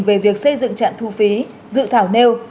về việc xây dựng trạm thu phí dự thảo nêu